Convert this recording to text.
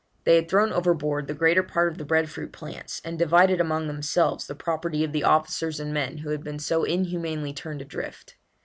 They had thrown overboard the greater part of the bread fruit plants, and divided among themselves the property of the officers and men who had been so inhumanly turned adrift.